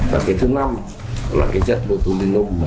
và cái thứ năm là cái chất botulinum